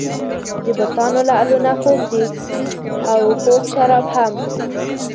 د بتانو لعلونه خوږ دي او خوږ شراب هم.